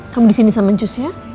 kamu di sini sama njus ya